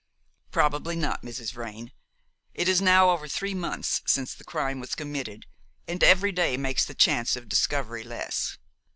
"Probably not, Mrs. Vrain. It is now over three months since the crime was committed, and every day makes the chance of discovery less."